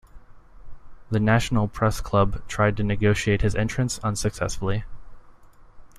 The National Press Club tried to negotiate his entrance unsuccessfully.